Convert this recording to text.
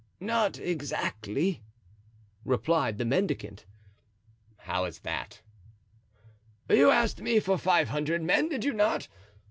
"Not exactly," replied the mendicant. "How is that?" "You asked me for five hundred men, did you not?